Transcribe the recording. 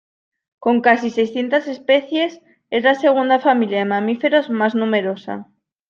Con casi seiscientas especies, es la segunda familia de mamíferos más numerosa.